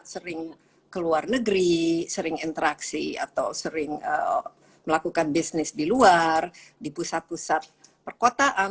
sering ke luar negeri sering interaksi atau sering melakukan bisnis di luar di pusat pusat perkotaan